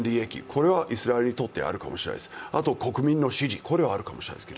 これはイスラエルにとってあるかもしれないです、あと国民の支持、これもあるかもしれない。